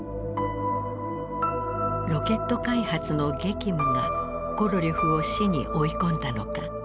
ロケット開発の激務がコロリョフを死に追い込んだのか。